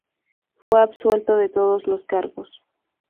Fue absuelto de todos los cargos.